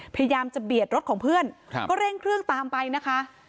พยายามจะเบียดรถของเพื่อนก็เร่งเครื่องตามไปนะคะ